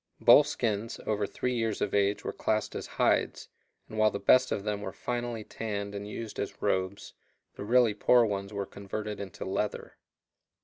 Bull skins over three years of age were classed as hides, and while the best of them were finally tanned and used as robes, the really poor ones were converted into leather.